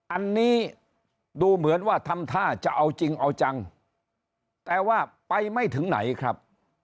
อันนี้ดูเหมือนว่าทำท่าจะเอาจริงเอาจังแต่ว่าไปไม่ถึงไหนครับ